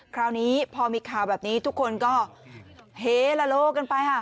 คราวนี้พอมีข่าวแบบนี้ทุกคนก็เฮละโลกันไปค่ะ